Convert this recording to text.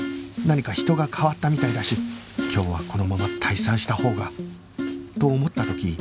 何か人が変わったみたいだし今日はこのまま退散したほうがと思った時